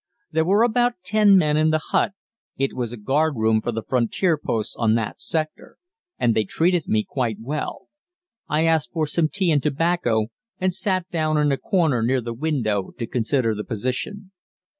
There were about ten men in the hut (it was the guardroom for the frontier posts on that sector), and they treated me quite well. I asked for some tea and tobacco, and sat down in a corner near the window to consider the position.